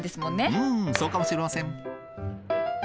うんそうかもしれません。